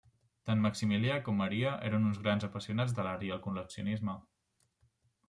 Tant Maximilià com Maria eren uns grans apassionats de l'art i el col·leccionisme.